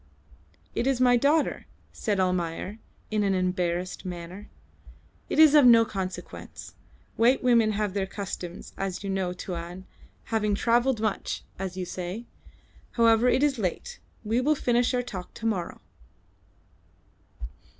"It is my daughter," said Almayer, in an embarrassed manner. "It is of no consequence. White women have their customs, as you know Tuan, having travelled much, as you say. However, it is late; we will finish our talk to morrow."